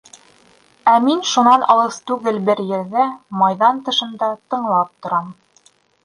Ә мин шунан алыҫ түгел бер ерҙә, майҙан тышында, тыңлап торам.